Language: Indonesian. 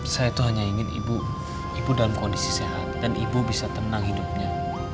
saya itu hanya ingin ibu ibu dalam kondisi sehat dan ibu bisa tenang hidupnya